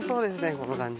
この感じ。